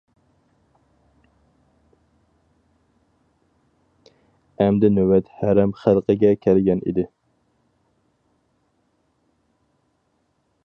ئەمدى نۆۋەت ھەرەم خەلقىگە كەلگەن ئىدى.